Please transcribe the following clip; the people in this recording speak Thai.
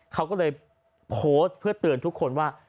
เขาก็เลยโพสต์เพื่อเตือนทุกคนว่า